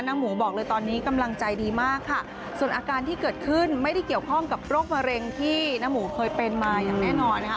หมูบอกเลยตอนนี้กำลังใจดีมากค่ะส่วนอาการที่เกิดขึ้นไม่ได้เกี่ยวข้องกับโรคมะเร็งที่น้าหมูเคยเป็นมาอย่างแน่นอนนะคะ